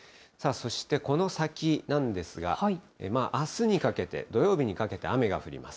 そしてこの先なんですが、まああすにかけて、土曜日にかけて雨が降ります。